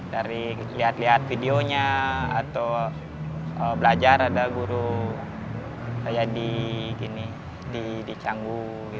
dari lihat lihat videonya atau belajar ada guru di canggu